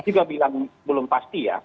juga bilang belum pasti